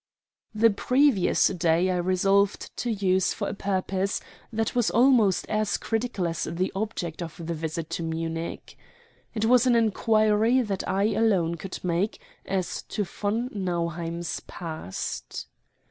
The previous day I resolved to use for a purpose that was almost as critical as the object of the visit to Munich. It was an inquiry that I alone could make as to von Nauheim's past.